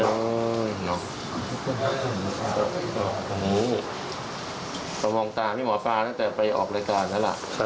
เมื่อมองตาพี่หมอฟานักจากไปออกรายการหรอก